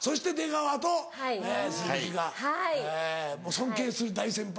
尊敬する大先輩？